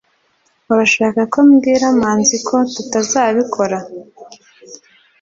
urashaka ko mbwira manzi ko tutazabikora